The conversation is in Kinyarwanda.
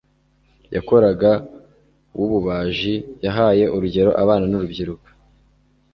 yakoraga wububaji yahaye urugero abana nurubyiruko